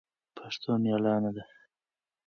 پښتو مېړانه ده